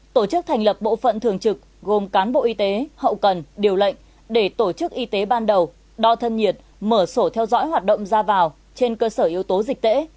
tổ chức thành lập bộ phận thường trực gồm cán bộ y tế hậu cần điều lệnh để tổ chức y tế ban đầu đo thân nhiệt mở sổ theo dõi hoạt động ra vào trên cơ sở yếu tố dịch tễ